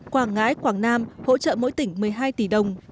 quảng ngãi quảng nam hỗ trợ mỗi tỉnh một mươi hai tỷ đồng